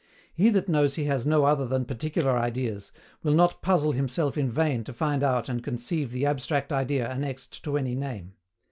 He that knows he has no other than particular ideas, will not puzzle himself in vain to find out and conceive the abstract idea annexed to any name.